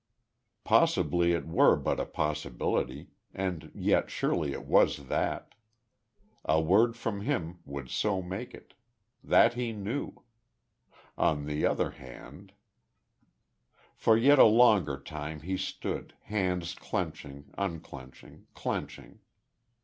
Possibly it were but a possibility and yet surely it was that. A word from him would so make it. That he knew. On the other hand For yet a longer time, he stood, hands clenching, unclenching, clenching....